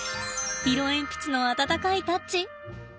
色鉛筆の温かいタッチ。